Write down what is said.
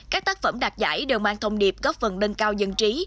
các tác phẩm đạt giải đều mang thông điệp góp phần nâng cao dân trí